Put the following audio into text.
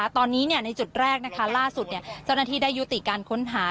ตอนนี้ในจุดแรกล่าสุดเจ้าหน้าที่ได้ยุติการค้นหา